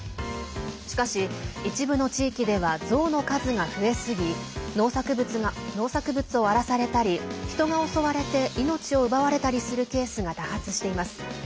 しかし、一部の地域ではゾウの数が増えすぎ農作物を荒らされたり人が襲われて命を奪われたりするケースが多発しています。